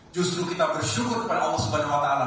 justru kita bersyukur kepada allah swt